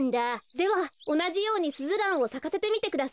ではおなじようにスズランをさかせてみてください。